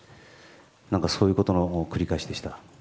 何かそういうことの繰り返しでした。